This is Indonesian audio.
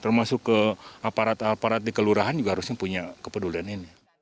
termasuk ke aparat aparat di kelurahan juga harusnya punya kepedulian ini